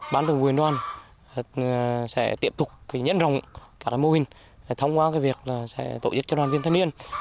bán thử nguyên đoàn sẽ tiếp tục nhấn rộng các mô hình thông qua việc tổ chức cho đoàn viên thân niên